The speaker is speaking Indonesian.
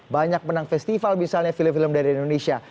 banyak menang festival misalnya film film dari indonesia